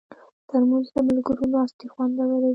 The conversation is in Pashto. ترموز د ملګرو ناستې خوندوروي.